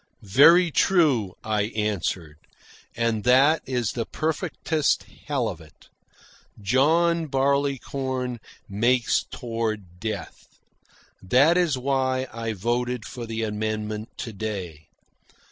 "Very true," I answered. "And that is the perfectest hell of it. John Barleycorn makes toward death. That is why I voted for the amendment to day.